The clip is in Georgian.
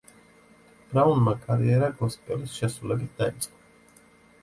ბრაუნმა კარიერა გოსპელის შესრულებით დაიწყო.